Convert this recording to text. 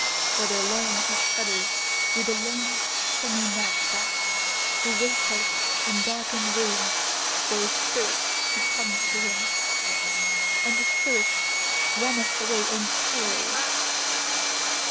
Or they learn to shudder with a learned semi madcap, who waiteth in darkened rooms for spirits to come to him and the spirit runneth away entirely!